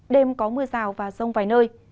đêm có mưa rào và rông vài nơi